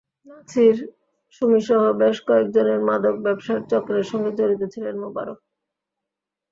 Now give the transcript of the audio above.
নাছির, সুমিসহ বেশ কয়েকজনের মাদক ব্যবসার চক্রের সঙ্গে জড়িত ছিলেন মোবারক।